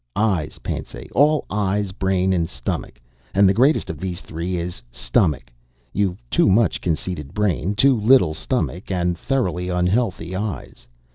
"Eyes, Pansay all Eyes, Brain, and Stomach. And the greatest of these three is Stomach. You've too much conceited Brain, too little Stomach, and thoroughly unhealthy Eyes.